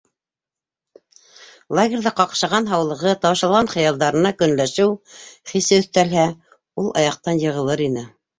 Лагерҙа ҡаҡшаған һаулығы, таушалған хыялдарына көнләшеү хисе өҫтәлһә, ул аяҡтан йығылыр ине.